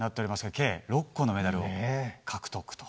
計６個のメダルを獲得と。